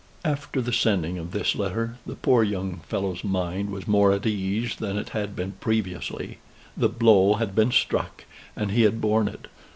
After the sending of this letter, the poor young fellow's mind was more at ease than it had been previously. The blow had been struck, and he had borne it.